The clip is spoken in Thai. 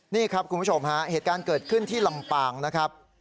นี่ครับคุณผู้ชมฮะเหตุการณ์เกิดขึ้นที่ลำปางนะครับ